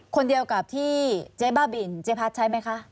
คนเดียวกับที่เจ๊บ้าบินเจ๊พัดใช้ไหมคะ